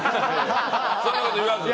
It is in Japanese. そんなこと言わず！